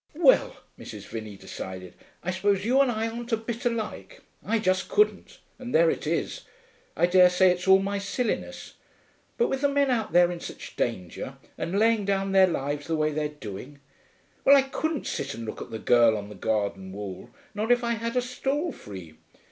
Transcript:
'Well,' Mrs. Vinney decided, 'I suppose you and I aren't a bit alike. I just couldn't, and there it is. I dare say it's all my silliness. But with the men out there in such danger, and laying down their lives the way they're doing ... well, I couldn't sit and look at the Girl on the Garden Wall, not if I had a stall free.